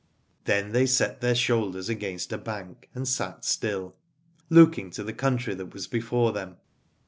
Then they set their shoulders against a bank, and sat still, looking to the country that was before them.